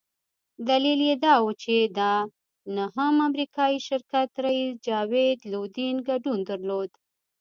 دلیل یې دا وو چې د انهم امریکایي شرکت رییس جاوید لودین ګډون درلود.